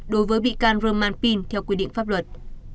đối với bị can rơ mà pin theo quy định pháp luật